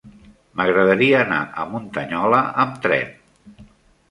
M'agradaria anar a Muntanyola amb tren.